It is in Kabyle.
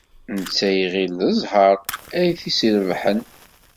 Netta iɣil d zzheṛ ay t-yesrebḥen.